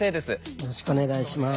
よろしくお願いします。